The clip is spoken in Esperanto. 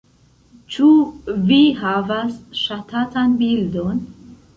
Ĉu vi havas ŝatatan bildon?